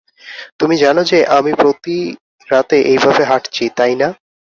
তুমি জানো যে আমি প্রতি রাতে এইভাবে হাঁটছি, তাই না?